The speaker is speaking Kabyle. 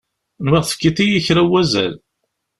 Nwiɣ tefkiḍ-iyi kra n wazal.